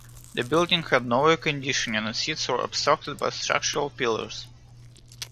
The building had no air conditioning and seats were obstructed by structural pillars.